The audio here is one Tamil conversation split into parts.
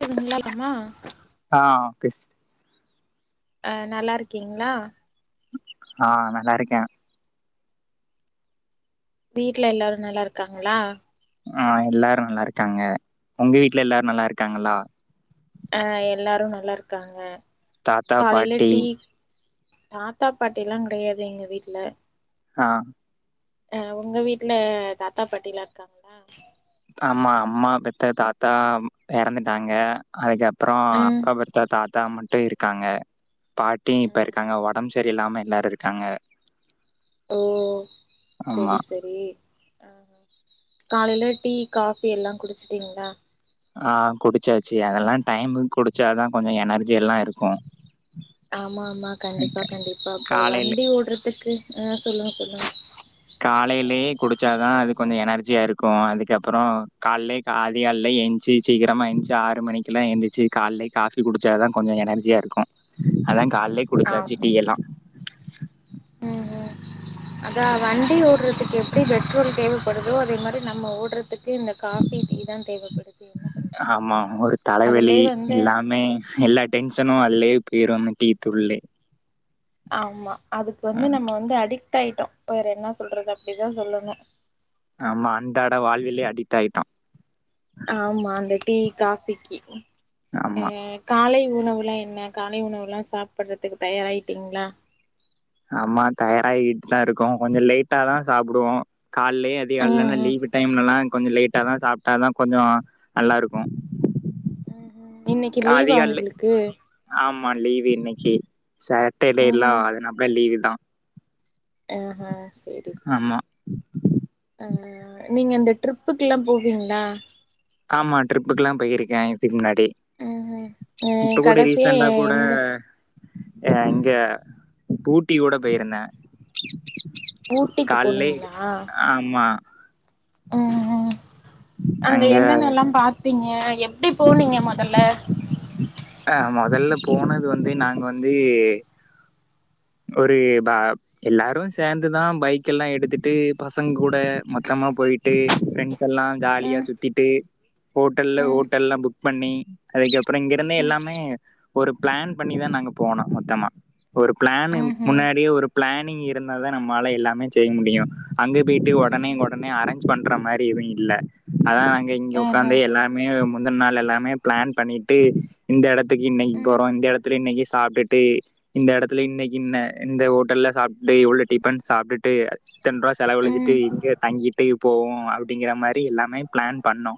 தெரியும்ல சம்பள ஆ பேசிட்ட அ நல்லா இருக்கீங்ளா ஆ நல்லாருக்கே வீட்ல எல்லாரு நல்லாருக்காங்களா ஆ எல்லாரு நல்லாருக்காங்க உங்க வீட்ல எல்லாரு நல்லாருக்காங்களா அ எல்லாரு நல்லாருக்காங்க தாத்தா காலைல பாட்டி டீ தாத்தா பாட்டில்லா கெடையாது எங்க வீட்ல ஆ அ உங்க வீட்ல தாத்தா பாட்டிலா இருக்காங்ளா ஆமா அம்மாவ பெத்த தாத்தா இறந்துட்டாங்க அதுக்கப்பற ம் அப்பா பெத்த தாத்தா மட்டு இருக்காங்க பாட்டியு இப்ப ம்ஹும் இருக்காங்க உடம்பு சரி இல்லாம எல்லாரு இருக்காங்க ஓ ஆமா செரி செரி ஆ காலைல டீ காஃபி எல்லா குடிச்சிடீங்ளா ஆ குடிச்சாச்சி அதெல்லா டைமுக்கு குடிச்சாதா கொஞ்சோ எனர்ஜி எல்லா இருக்கு ஆமா ஆமா கண்டிப்பா கண்டிப்பா அப்ப காலைல வண்டி ஓடுறதுக்கு ஆ சொல்லுங்க சொல்லுங்க காலைலே குடிச்சாதா அது கொஞ்சோ எனர்ஜியா இருக்கு அதுக்கப்பறோ கால்லே கா அதிகால்லே எஞ்ச்சி சீக்கிரமா எழ்ந்சி ஆறு மணிக்கெல்லா எந்திச்சி கால்லே காஃபி குடிச்சா தா கொஞ்சோ எனர்ஜியா இருக்கு அதா கால்லே குடிச்சாச்சு ஆமா டீ எல்லா அதா வண்டி ஓடுறதுக்கு எப்டி பெட்ரோல் தேவப்படுதோ அதே மாரி நம்ம ஓடுறதுக் க்கு இந்த காஃபி டீ தா தேவப்படு ஆமா ஒரு தலைவெலி வந்து எல்லாமே எல்லா டென்ஷனு அல்லையே போய்ரு அந்த டீத்துள்ளே ஆமா அதுக்கு வந்து நம்ம வந்து அடிக்ட் ஆய்ட்டோ வேற என்ன சொல்றது அப்டி தா சொல்லணு ஆமா அண்டாட வாழ்விலே அடிட் ஆய்ட்டோ ஆமா அந்த டீ காஃபிக்கி அ ஆமா. காலை உணவுலா என்ன காலை உணவுலா சாப்பிட்றதுக்கு தயாராயிட்டீங்ளா ஆமா தயாராகிட்டு தா இருக்கோ கொஞ்சோ லேட்டா தா சாப்டுவோ கால்லே அதிகால்லலா ம்ஹ்ம். லீவு டைம்லலா‌ கொஞ்சோ லேட்டா தா சாப் டா தா கொஞ்சோ நல்லா இருக்கு ம் ம் இன்னைக்கு லீவா உங்களுக்கு ஆமா லீவு இன்னைக்கி சட்டடேலா ம்ஹ்ம். அதுனப்புல லீவு தா அ அ சேரி சேரி ஆமா அ நீங்க இந்த ட்ரிப்புக்குல்லா போவீங்களா ஆமா ட்ரிப்புக்குல்லா போயிருக்க இதுக்கு முன்னாடி ம் ம் இப்ப கூட கடைசியா ரீசென்டா கூட எந்த அ இங்க ம் ஊட்டி கூட போய்ருந்த ஊட்டிக்கு கால்லே போனீங்களா ஆமா ம் ம் அங்க என்னென்னல்லா பாத்தீங்க எப்டி போனீங்க மொதல்ல அ மொதல்ல போனது வந்து நாங்க வந்து ஒரு பா எல்லாரு சந்துதா பைக் எல்லா எடுத்துட்டு பசங்க கூட மொத்தமா போய் ட்டு ஃப்ரண்ட்ஸ் எல்லா ஜாலியா ம் சுத்திட்டு ஹோட்டல்ல ம் ஹோட்டல்லா புக் பண்ணி அதுக்கப்புறோ இங்க ஒடனே ம் எல்லாமே ஒரு ப்ளன் பண்ணிதா நாங்க போனோ மொத்தமா ஒரு ப்ளனிங் முன்னாடியே ஒரு ப்ளனிங் ம்ஹும் முன்னாடியே ஒரு ப்ளனிங் இருந்தா தா நம்மால எல்லாமே செய்ய முடியு அங்க பேட்டு ஒடனே ம்ஹும் ஒடனே அரேஞ்ச் பண்ற மாரி எது இல்ல அதா இங்க ஆஹா உக்காந்து எல்லாமே முந்தன்நாள் எல்லாமே ப்ளன் பண்ணிட்டு இந்த எடத்துக்கு இன்னைக்கு ம் போறோ இந்த எடத்துல இன்னைக்கு சாப்ட்டுட்டு இந்த எடத்துல இன்னைக்கு இன்ன இந்த ஹோட்டல்ல சாப் டே இவ்வள டிபன் சாப்டுட்டு இத்தன் ரூபா செலவழிச்சிட்டு ம் இங்க தங்கிட்டு போவோ அப்டிங்கிற மாரி எல்லாமே ப்ளன் பண்ணோ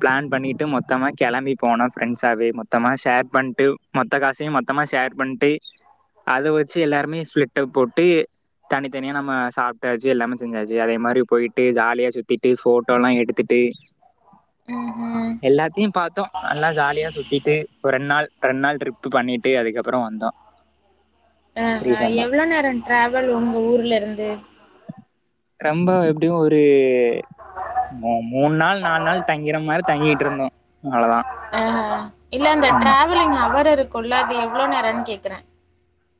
ப்ளன் பண்ணிட்டு மொத்தமா கெளம்பி போனோ ப்ரெண்ட்ஸ் வே மொத்தமா ஷர் பண்ட்டு மொத்த காசையு மொத்தமா ஷர் பண்ட்டு அத வச்சு எல்லாருமே ஸ்வெட்ட போட்டு தனித்தனியா நம்ம சாப்ட்டாச்சு எல்லாமே செஞ்சாச்சு அதே மாரி போய்ட்டு ஜாலியா சுத்திட்டு ஃபோட்டோல்லா எடுத்துட்டு ம்ஹும் எல்லாத்தையு பாத்தோ நல்லா ஜாலியா சுத்திட்டு ஒரு ரெண்டு நாள் ரெண்டு நாள் ட்ரிப்பு பண்ணிட்டு அதுக்கப்புறோ வந்தோ ஆ‌ஆ ரீசண்டா எவ்வளோ நேரோ டிராவல் உங்க ஊர்ல இருந்து ரொம்ப எப்டியு ஒரு மூணு நாள் நாலு நாள் தங்கிற மாரி தங்கிட்டு இருந்தோ அவ்ளோதா ஆ இல்ல அந்த டிராவலிங் அவர் இருக்குமல்ல அது எவ்வளோ நேரோனு கேக்குற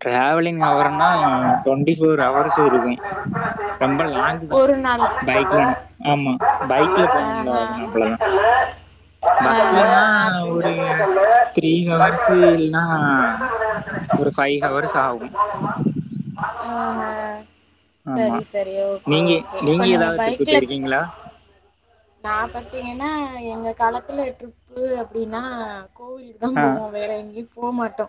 டிராவலிங் அவரனா டுவெண்ட்டி ஃபோர் எங்கள் ஹவர்ஸ் இருக்கு வாகனத்திலே விற்பனை ரொம்ப செய்யப்படுகிறது லாங்கு தா ஒரு நாள் மல்லிக்கல்லு பைக்லன ஆமா பைக்ல பூட்டுக்கல்லு போனுடா ஆஹா அது ந அவ்ளோதா இஞ்சிக்கல்லு கொடைக்கல்லு பஸ்லனா ஆஹா, அப்படின்னு ஒரு எந்திரக்கல்லு கி டீ ஹவர்ஸ்ஸு கல்லூரில் இல்ன்னா குறைந்த விலையில் கிடைக்கும் ஃபை கல்லு ஹவர்ஸ் ஆகு [inaudible] ஆமா சரி சரி ஓகே நீங்க ஓகே இப்ப நீங்க ஏதாவது ட்ரிப்பு பைக்ல போயிருக்கீங்களா நா பாத்தீங்கன்னா எங்க காலத்துல ட்ரிப்பு அப்டின்னா கோவில் தா ஆ போவோ வேற எங்கேயு போ மாட்டோ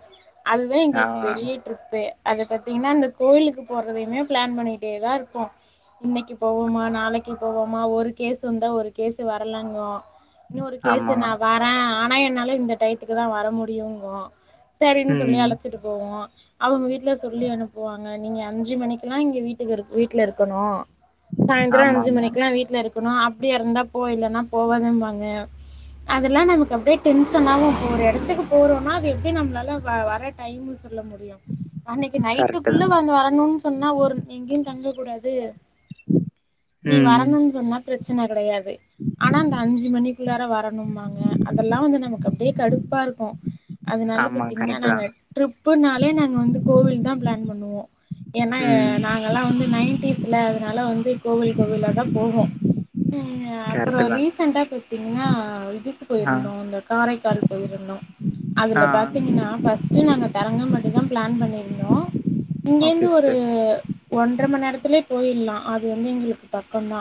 அதுதா ஆ எங்களுக்கு பெரிய ட்ரிப்பே அத பாத்தீங்கன்னா அந்த கோவிலுக்கு போறதையுமே பிளான் பண்ணிட்டே தா இருப்போ இன்னைக்கு போவோமா நாளைக்கு போவோமா ஒரு கேஸ் வந்தா ஒரு கேசு வரலங்கு இன்னொரு கேசு ஆமா நா வ வே ஆனா என்னால இந்த டயத்துக்கு தா வர முடியுங்கு சரின்னு சொல்லி ம் அழைச்சிட்டு போவோ அவுங்க வீட்ல சொல்லி அனுப்புவாங்க நீங்க அஞ்சு மணிக்குல்லா இங்க வீட்டுக்கு வீட்ல இருக்கணு சாய்ந்திரோ ஆமா அஞ்சு ஆமா மணிக்குல்லா வீட்ல இருக்கணு அப்டியா இருந்தா போ இல்லன்னா போவாதம்பாங்க அதெல்லா நமக்கு அப்டியே டென்ஷனாகு இப்ப ஒரு இடத்துக்கு போறோன்னா அது எப்டி நம்பளால வ வர டைமு சொல்ல முடியு அன்னைக்கு கரெக்ட் தா நைட்டுக்குள்ள வந்து வரணுன்னு சொன்னா ஒரு எங்கேயு தங்க கூடாது நீ ம் வரணுன்னு சொன்னா பிரச்சன கடையாது ஆனா அந்த அஞ்சு மணிக்குள்ளார வரணும்பாங்க அதெல்லா வந்து நமக்கு அப்டியே கடுப்பா இருக்கு அதனால ஆமா பாத்தீங்கன்னா கரெக்ட் தா நாங்க ட்ரிப்புனாலே நாங்க வந்து கோவில் தா பிளான் பண்ணுவோ ஏன்னா ம் நாங்கல்லா வந்து நைன்டிஸ்ல அதனால வந்து கோவில் கோவிலா தா போவோ ம் அப்புறோ கரெக்ட் தா ரீசெண்டா பாத்தீங்கன்னா இதுக்கு ஆ போயிருந்தோ இந்த காரைக்கால் போயிருந்தோ அதுல ஆ பாத்தீங்கன்னா பஸ் ட்டு நாங்க தரங்கம்பட்டி தா பிளான் பண்ணியிருந்தோ ஓகே இங்கேந்து ஒரு சிஸ்டர் ஒன்ற மண் நேரத்துலே போயிடலா அது வந்து எங்களுக்கு பக்கோந்தா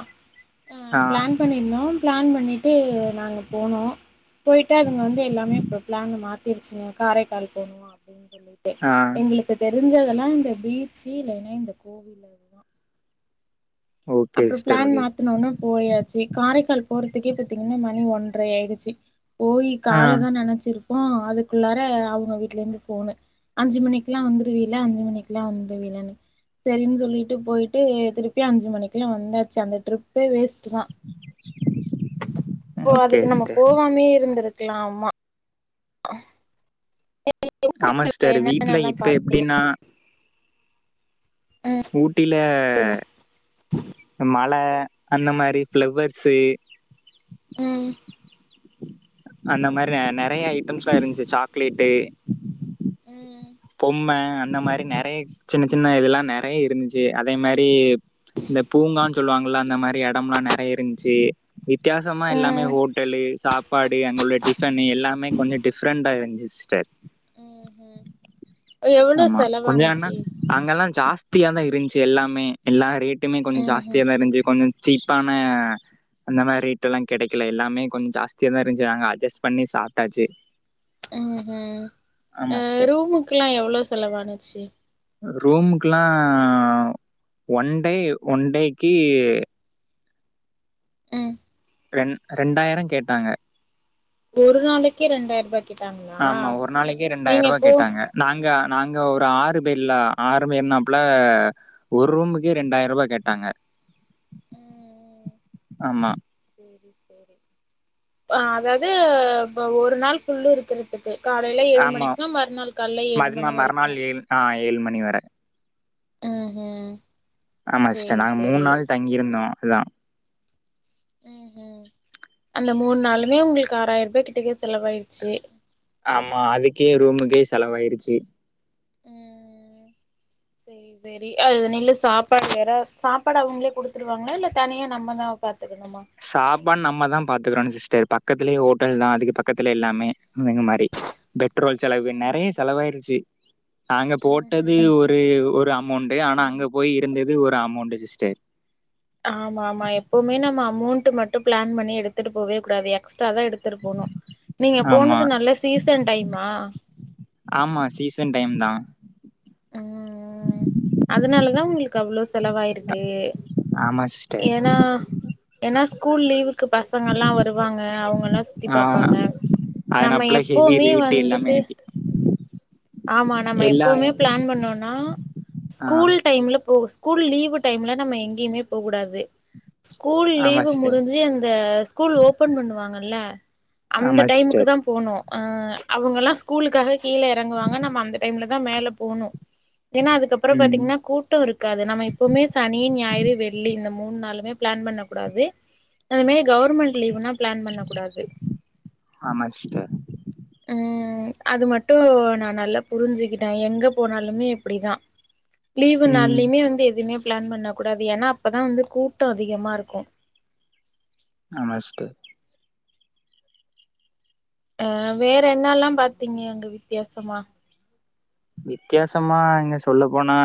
அ ஆ பிளான் பண்ணியிருந்தோ பிளான் பண்ணிட்டு நாங்க போனோ போயிட்டு அதுங்க வந்து எல்லாமே இப்ப பிளான மாத்திருச்சுங்க காரைக்கால் போனுமா அப்டின்னு சொல்லிட் டு ஆ எங்களுக்கு தெரிஞ்சதெல்லா இந்த பீச்சு இல்லைன்னா இந்த கோவில்லு ஓகே அப்புறோ சிஸ்டர் பிளான் ஓகே மாத்தனோன போயாச்சு காரைக்கால் போறதுக்கே பாத்தீங்கன்னா மணி ஒன்றை ஆயிடுச்சு போய் ஆ கால தா நனைச்சிருக்கோ அதுக்குள்ளார அவுங்க வீட்ல இருந்து ஃபோனு அஞ்சு மணிக்குல்லா வந்துரு வீல அஞ்சு மணிக்கக்குல்லா வந்து வீலன்னு சரின்னு சொல்லிட்டு போயிட்டு திருப்பி அஞ்சு மணிக்கக்குல வந்தாச்சு அந்த ட்ரிப்பே வேஸ்ட் டு தா இப்போ ஓகே அதுக்கு நம்ம சிஸ்டர் போவாமே இருந்திருக்கலா ஆமா ஆமா [unintelligible] சிஸ்டர் வீட்ல என்னன்னல்லா இப்ப பாத்தீங்க எப்டின்னா ஊட்டில சொல்லுங்க மல அந்த மாரி ஃபிளவர்ஸு ம் அந்த மாரி நறைய ஐட்டம்ஸ்ல்லா இருந்துச்சு சாக்லேட்டு ம் பொம்ம அந்த மாரி நெறைய சின்ன சின்ன இதெல்லா நெறைய இருந்துச்சு அதே மாரி இந்த பூங்கான்னு சொல்லுவாங்கல்ல அந்த மாரி எடம்ல்லா நெறைய இருந்துச்சு வித்தியாசமா எல்லாமே ஹோட்டலு சாப் பாடு அங்க உள்ள டிஃபன் எல்லாமே கொஞ்சோ டிஃப்ரெண்டா இருந்துச்சி சிஸ்டர் ம் ம் எவ்ளோ செலவானுச்சு அங்கல்லா ஜாஸ்தியா தா இருந்துச்சு எல்லாமே எல்லா ரேட்டுமே கொஞ்சோ ம்ஹும் ஜாஸ்தியா தா இருந்துச்சு கொஞ்சோ சீப்பான அந்த மாரி ஐட்டம்ல்லா கெடைக்கல எல்லாமே கொஞ்சோ ஜாஷ்தியாதா இருந்துச்சு நாங்க அஜஸ்ட் பண்ணி சாப்ட்டாச்சு ம் ஹூ ஆமா சிஸ்டர் ரூமுக்ககெல்லா எவ்ளோ செலவானுச்சு ரூமுகுல்லா ஒன் டே ஒன் டேக்கி ம் ரெண் ரெண்டாயிரோ கேட்டாங்க ஒரு நாளைக்கே ரெண்டாயிர ரூபா கேட்டாங்களா ஆமா ஒரு நாளைக்கு நீங்க ரெண்டாயிரூவா போ கேட்டாங்க நாங்க நாங்க ஒரு ஆறு பேர்ல ஆறு பேர்னாப்புல ஒரு ரூமுக்கே ரெண்டாயிர ரூபா கேட்டாங்க ம் ம் ஆமா சேரி சேரி ஆ அதாவது இப்ப ஒரு நாள் ஃபுல்லு இருக்குறது க்கு காலேல ஏழு ஆமா மணிக்குன்னா மறுநாள் காலேல ஏழு மதினா மணி வரைக்கு மறுநாள் ஏழு ஆ ஏழு மணி வர ம் ம் ஆமா சிஸ்டர் நாங்க மூணு நாள் தங்கியிருந்தோ எல்லா ம் ம் அந்த மூணு நாளுமே உங்களுக்கு ஆறாயிரரூபா கிட்டக்க செலவாயிருச்சு ஆமா அதுக்கே ரூமுக்கே செலவாயிருச்சி சேரி சேரி அதுனில்ல சாப்பாடு வேற சாப்பாடு அவங்களே குடுத்துருவாங்களா இல்ல தனியா நம்மதா பாத்துக் என்னம்மா சாப்பாடு நம்மதா பாத்துக்கிறனு சிஸ்டர் பக்கத்துலயே ஹோட்டல் தா அதுக்கு பக்கத்துல எல்லாமே இங்க மாரி பெட்ரோல் செலவு ம் நெறையா ம் செலவாயிருச்சி நாங்க ம் போட்டது ம் ஒரு அமௌண்ட் ஆனா அங்க போய் இருந்தது ஒரு அமௌண்டு சிஸ்டர் ஆமா ஆமா எப்பவுமே நம்ம அமௌண்ட் மட்டு பிளான் பண்ணி எடுத்துட்டு போவே கூடாது எக்ஸ்ட்ரா தா எடுத் துட்டு போனு நீங்க ஆமா போனது நல்ல சீசன் டைமா ஆமா சீசன் டைம் தா ம் ம் அதனாலதா உங்களுக்கு அவ்ளோ செலவாயிருக்கு ஆமா சிஸ்டர் ஏன்னா ஏன்னா ஸ்கூல் லீவுக்கு பசங்கல்லா வருவாங்க அவங்கல்லா சுத்தி ஆ பாப்பாங்க நம்ம அதனாப்ல ஹெவி எப்பவுமே ரேட்டு எல்லாமே வந்துட்டு ஏத்தி ஆமா நம்ம எல்லா எப்பவுமே பிளான் பண்ணோன்னா ஆ ஸ்கூல் டைம்ல போக ஸ்கூல் லீவு டைம்ல நம்ம எங்கயுமே போக்கூடாது ஸ்கூல் ஆமா லீவு சிஸ்டர் முடிஞ்சி அந்த ஸ்கூல் ஓப்பன் பண்ணுவாங்கல்ல அந்த ஆமா டைமுக்கு சிஸ்டர் தா போணு ஆ அவங்கல்லா ஸ்கூலுக்காக கீழ எறங்குவாங்க நம்ம அந்த டைம்ல தா மேல போனு ஏன்னா அதுக்கப்பறோ ம் பாத்தீங்ன்னா கூட் டோ இருக்காது நம்ம எப்பவுமே சனி ஞாயிறு வெள்ளி இந்த மூன்நாளுமே பிளான் பண்ண கூடாது அது மாரி கவர்மெண்ட் லீவ்னா பிளான் பண்ண கூடாது ஆமா சிஸ்டர் ம் அது மட்டு நா நல்லா புரிஞ்சுக்கிட்ட எங்க போனாலுமே இப்டி தா லீவு ம் நாள்ளைமே வந்து எதுமே பிளான் பண்ண கூடாது ஏன்னா அப்பதா வந்து கூட்ட அதிகமா இருக்கு ஆமா சிஸ்டர் ஆ வேற என்னல்லா பாத்தீங்க அங்க வித்தியாசமா வித்தியாசமா இங்க சொல்ல போனா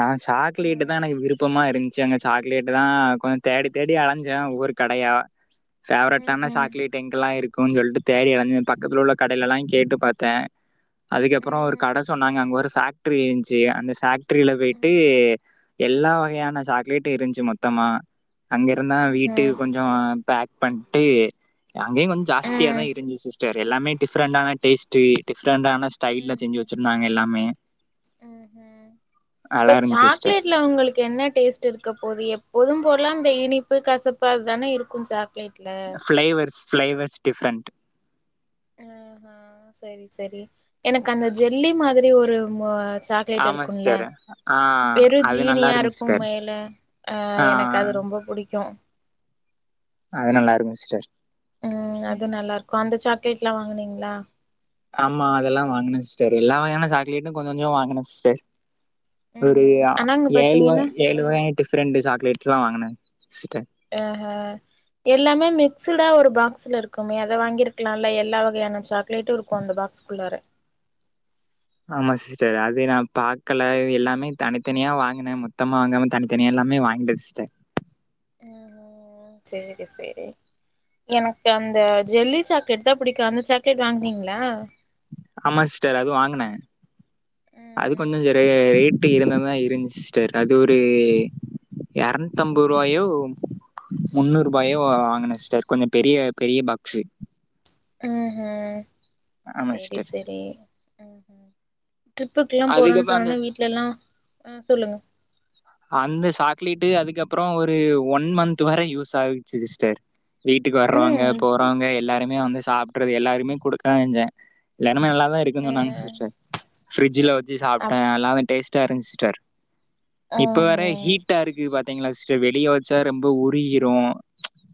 நா சாக்லேட் ம் தா எனக்கு விருப் ப்பமா இருந்ச்சு அங்க சாக்லேட்டு தா கொஞ்ச தேடி தேடி அலஞ்ச ஒவ்வொரு கடையா ஃபேவரட்டான ம்ஹும் சாக்லேட் எங்கெல்லா இருக்குன்னு சொல்ட்டு தேடி அலஞ்ச பக்கத்துல உள்ள கடையெல்லா கேட்டு பாத்தே அதுக்கப்றோ ஒரு ம் கட சொன்னாங்க அங்க ஒரு ஃபேக்ட்ரி இந்ச்சு அந்த ஃபேக்ட்ரில போய்ட்டு ம் எல்லா வகையான சாக்லேட்டு இருந்ச்சு மொத்தமா அங்கருந்தா வீட்டுக்கு ம்ஹும் கொஞ்சோ பேக் பண்ணிட்டு அங்கேய கொஞ்சோ ஜாஸ்தியாதா ம் இருந்துச்சு சிஸ்டர் எல்லாமே டிஃப்ரெண்டான டேஸ்ட்டு டிஃப்ரெண்டான ஸ்டைல்ல செஞ்சு வெச்சுருந்தாங்க எல்லாமே ம் ம் நல்லா இப்ப இருந்துச்சு சிஸ்டர் சாக்லேட்ல உங்களுக்கு என்ன டேஸ்ட் இருக் ருக்க போகுது எப்போதும் போலா அந்த இனிப்பு கசப்பு அதுதானே இருக்கு சாக்லேட் ஃப்ளேவர்ஸ் ஃப்ளேவர்ஸ் டிஃப்ரெண்ட் ஆ ஆ சேரி சேரி எனக்கு அந்த ஜெல்லி மாதிரி ஒரு சாக்லேட் ஆமா இருக்கும்ல சிஸ்டர் ஆ வெறு அது நல்லா ஜீனியா இருக்கும் இருக்கு சிஸ்டர் மேல ஆ எனக்கு அது ரொம்ப புடிக்கு அது நல்லா இருக்கு சிஸ்டர் ம் அது நல்லா இருக்கு அந்த சாக்லேட்ல்லா வாங்குனீங்ளா ஆமா அதெல்லா வாங்குன சிஸ்டர் எல்லா வகையான சாக்லேட்டு கொஞ்ச கொஞ்ச வாங்குன சிஸ்டர் ஒரு ம்ஹும் ஆ ஆனா அங்க ஏழு வக பாத்தீங்கன்னா ஏழு ம் வகைய டிஃப்ரெண்ட்டு சாக்லேட்ஸ்ல்லா வாங்குன சிஸ்டர் ஆ ஹா எல்லாமே மிக்ஸுடா ஒரு பாக்ஸ்சுல இருக்குமே அத வாங்கிருக்லால்ல எல்லா வகையான சாக்லேட்டு இருக் கு அந்த பாக்ஸ் குள்ளார ஆமா சிஸ்டர் அது நா பாக்கல எல்லாமே தனித்தனியா வாங்குனே மொத்தமா வாங்காம தனி தனியா எல்லாமே வாங்கிட்ட சிஸ்டர் ம் சேரி சேரி எனக்கு அந்த ஜெல்லி சாக்லெட் தா புடிக்கு அந்த சாக்லெட் வாங்னீங்ளா ஆமா சிஸ்டர் அது வாங்குனே ம்ஹும் அது கொஞ்சோ ரே ரேட்டு இருந்த தா இருந்த சிஸ்டர் அது ஒரு எரநூத்தம்ப ரூவாயோ முன்னூரூபாயோ ம்ஹும் வாங்கின சிஸ்டர் கொஞ்சோ பெரிய பெரிய பாக்சு ம் ம் ஆமா செரி சிஸ்டர் செரி ட்ரிப்புக்கெல்லா போறோன் அதுக்கப்புற அந்த சொன்னோன்ன வீட்லல்லா ஆ சொல்லுங் அந்த சாக்லேட்டு அதுக்கப்றோ ஒரு ஒன் மந்த் வர யூஸ் ஆகுச்சு சிஸ்டர் வீட்டுக்கு வர்றவங்க ம் போறவங்க எல்லாருமே வந்து சாப்ட்றது எல்லாருமே குடுக்கதா செஞ்சே எல்லாருமே நல்லா ல்லா அ இருக்குன்னு சொன்னாங்க சிஸ்டர் பிரிட்ஜ்ல வெச்சு சாப்ட்டே அப் நல்லா டேஸ்டா இருந்துச்சு சிஸ்டர் இப்போ ம் வேற ம் ஹீட்டா இருக்கு பாத்தீங்களா சிஸ்டர் வெளிய வெச்சா ரொம்ப உருகிரு ம்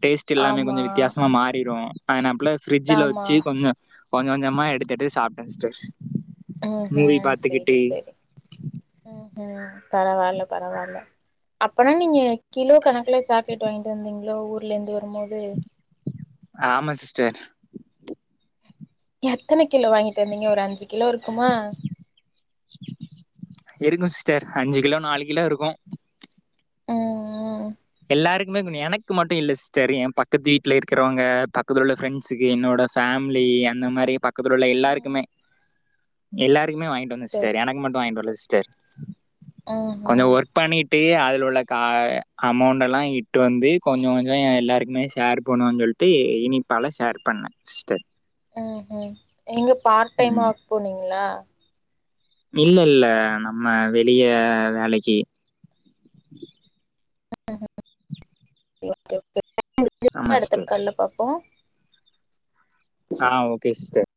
டேஸ்ட் எல்லாமே ஆமா கொஞ்ச வித்தியாசமா மாறிடு அதனாப்புல ஃப்ரிட்ஜ்ல ஆமா வெச்சு கொஞ்சோ கொஞ்ச கொஞ்சமா எடுத்து எடுத்து சாப்ட்டே சிஸ்டர் ம் மூவி ம் சேரி பாத்துக்கிட்டு சேரி ம் ம் பரவால்ல பரவால்ல அப்பனா நீங்க கிலோ கணக்குல சாக்லேட் டங்ட்டு வந்தீங்ளோ ஊர்லேந்து வரும்போது ஆமா சிஸ்டர் எத்தன கிலோ வாங்கிட்டு வந்தீங்க ஒரு அஞ்சு கிலோ இருக்குமா இருக்கு சிஸ்டர் அஞ்சு கிலோ நாலு கிலோ இருக்கு ம் ம் எல்லாருக்குமே கொ எனக்கு மட்டு இல்ல சிஸ்டர் எ பக்கத்து வீட்ல இருக்கிறவங்க பக்கத்துல உள்ள ஃப்ரெண்ட்சுக்கு என்னோட ஃபேமிலி அந்த மாரி பத் க்கத்துல உள்ள ம் எல்லாருக்குமே எல்லாருக்குமே வாங்கிட்டு வந்த செரி சிஸ்டர் எனக்கு மட்டு வாங்கிட்டு வர்ல சிஸ்டர் ம் கொஞ்சோ ம் ஒர்க் பண்ணிட்டு செரி அதுல உள்ள செரி கா அமௌண்டெல்லா இட்டு வந்து கொஞ்சோ கொஞ்சோ எ எல்லாருக்குமே ஷர் பண்ணுவோ சொல்ட்டு இனிப்பால ஷேர் பண்ண சிஸ்டர் ம் ம் எங்க பார்ட் டைம் ம். ஒர்க் போனீங்ளா இல்ல இல்ல நம்ம வெளிய வேலைக்கி ம் ம் ஓகே ஓகே ஆமா முடிஞ்சா அடுத்த சிஸ்டர். கால்ல பாப்போ ஆ ஓகே சிஷ்டர்